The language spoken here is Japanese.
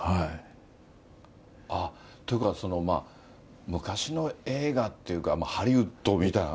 ああ、ということは、昔の映画っていうか、ハリウッドみたいな？